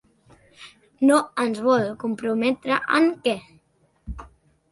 No ens vol comprometre en què?